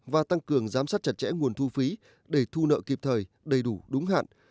và tăng cường giám sát chặt chẽ nguồn thu phí để thu nợ kịp thời đầy đủ đúng hạn